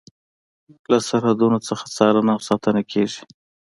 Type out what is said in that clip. له سرحدونو نه څارنه او ساتنه کیږي.